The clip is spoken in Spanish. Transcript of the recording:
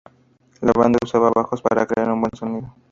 La banda usaba bajos para crear un buen sonido.